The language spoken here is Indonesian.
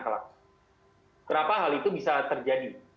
kenapa hal itu bisa terjadi